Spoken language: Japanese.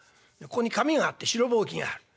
ここに紙があって棕櫚ぼうきがある。